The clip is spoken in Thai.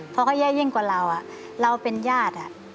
พอเขาแย่ยิ่งกว่าเราเราเป็นญาติ